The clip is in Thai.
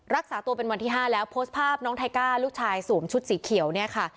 รักษาตัวเป็นวันที่๕แล้วโพสต์ภาพน้องไทก้าลูกชายสวมชุดสีเขียวเนี่ยค่ะ